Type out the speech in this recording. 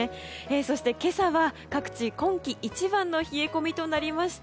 そして、今朝は各地今季一番の冷え込みとなりました。